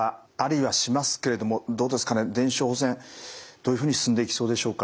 どういうふうに進んでいきそうでしょうか。